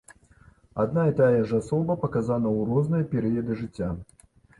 Адна і тая ж асоба паказана ў розныя перыяды жыцця.